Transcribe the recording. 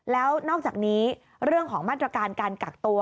แล้วนอกจากนี้เรื่องของมาตรการการกักตัว